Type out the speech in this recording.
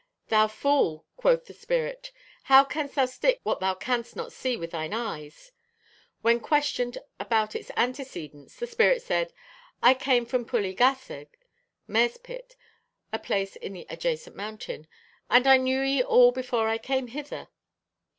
'Thou fool,' quoth the spirit, 'how canst thou stick what thou canst not see with thine eyes?' When questioned about its antecedents, the spirit said, 'I came from Pwll y Gasseg' (Mare's Pit, a place in the adjacent mountain), 'and I knew ye all before I came hither.'